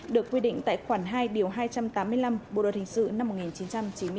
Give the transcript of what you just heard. được quy định tại khoản hai biểu hai trăm tám mươi năm bộ đoàn hình sự năm một nghìn chín trăm chín mươi chín